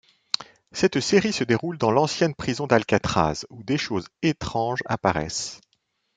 Cette série se déroule dans l'ancienne prison d'Alcatraz où des choses étranges apparaissent.